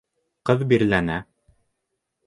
Ҡыҙ бирләнә.